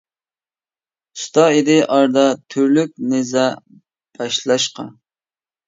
ئۇستا ئىدى ئارىدا، تۈرلۈك نىزا باشلاشقا.